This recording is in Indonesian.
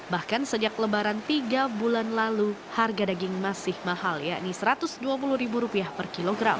bahkan sejak lebaran tiga bulan lalu harga daging masih mahal yakni rp satu ratus dua puluh per kilogram